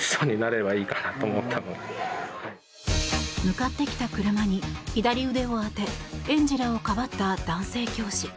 向かってきた車に左腕を当て園児らをかばった男性教師。